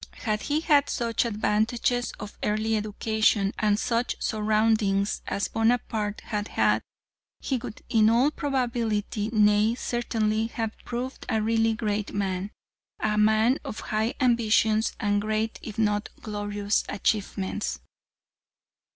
Had he had such advantages of early education and such surroundings as Bonaparte had had, he would in all probability, nay, certainly, have proved a really great man, a man of high ambitions and great if not glorious achievements.